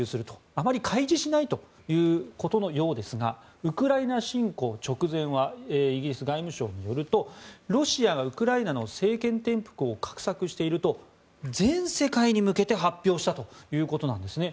あまり開示しないということのようですがウクライナ侵攻直前はイギリス外務省によるとロシアがウクライナの政権転覆を画策していると全世界に向けて発表したということなんですね。